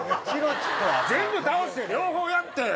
全部倒して両方やって。